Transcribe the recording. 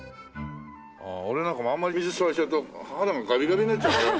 俺なんかもうあんまり水吸われちゃうと肌がガビガビになっちゃうんじゃない？